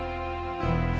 tapi kalau ukuran